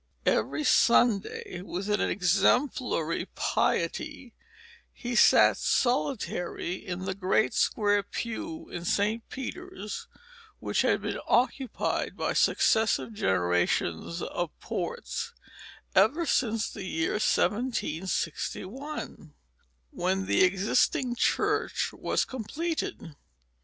Every Sunday, with an exemplary piety, he sat solitary in the great square pew in St. Peter's which had been occupied by successive generations of Ports ever since the year 1761, when the existing church was completed.